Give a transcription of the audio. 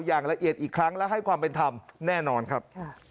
อย่างละเอียดอีกครั้งและให้ความเป็นธรรมแน่นอนครับ